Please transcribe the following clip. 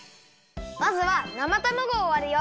まずはなまたまごをわるよ。